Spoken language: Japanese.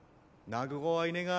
泣く子はいねが。